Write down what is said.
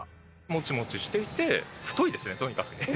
モチモチしていて太いですねとにかくね。